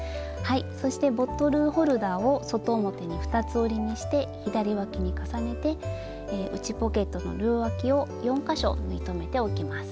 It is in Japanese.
そしてボトルホルダーを外表に二つ折りにして左わきに重ねて内ポケットの両わきを４か所縫い留めておきます。